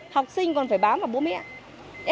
học sinh còn phải bám vào bố mẹ